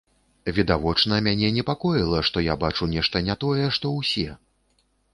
Відавочна, мяне непакоіла, што я бачу нешта не тое, што ўсе.